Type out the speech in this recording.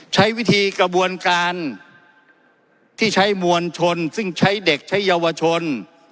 ใช้วิธีกระบวนการที่ใช้มวลชนซึ่งใช้เด็กใช้เยาวชน